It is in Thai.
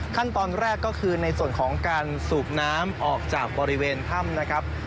ขั้นตอนแรกก็คือในส่วนของการสูบน้ำออกจากบริเวณถ้ำนะครับ